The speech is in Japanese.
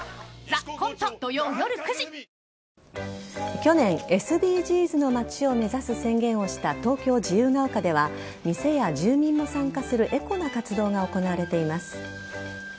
去年ＳＤＧｓの街を目指す宣言をした東京・自由が丘では店や住民も参加するエコな活動が行われています。